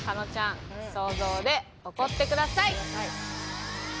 想像で怒ってください。